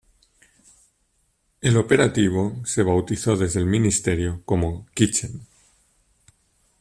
El operativo se bautizó desde el ministerio como Kitchen.